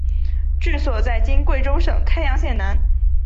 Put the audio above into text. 治所在今贵州省开阳县南。